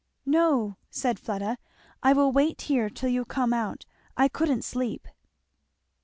"No," said Fleda, "I will wait here till you come out. I couldn't sleep."